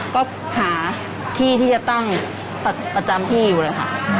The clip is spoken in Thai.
ก็หาที่ที่จะตั้งประจำที่อยู่เลยค่ะ